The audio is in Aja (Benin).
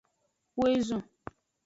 Woezon.